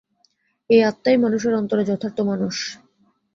এই আত্মাই মানুষের অন্তরে যথার্থ মানুষ।